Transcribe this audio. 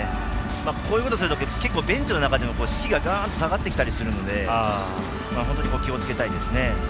こういうことするとベンチの中での士気が、がーっと下がってきたりするので本当に気をつけたいですね。